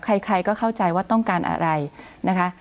ใครก็เข้าใจว่าต้องการอะไรนะคะ